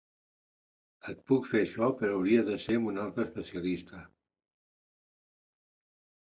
Et puc fer això, però hauria de ser amb un altre especialista.